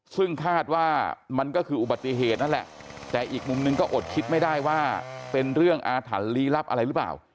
ซึ่งคาดว่ามันก็คืออุบัติเหตุนั่นแหละแต่อีกมุมนึงก็อดคิดไม่ได้ว่าเป็นเรื่องอาถรรพ์ลี้ลับอะไรหรือเปล่า